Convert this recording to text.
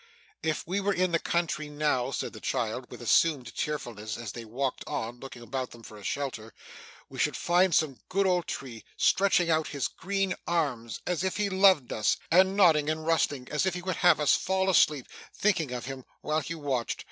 'If we were in the country now,' said the child, with assumed cheerfulness, as they walked on looking about them for a shelter, we should find some good old tree, stretching out his green arms as if he loved us, and nodding and rustling as if he would have us fall asleep, thinking of him while he watched.